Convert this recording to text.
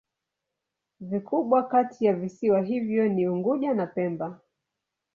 Vikubwa kati ya visiwa hivyo ni Unguja na Pemba.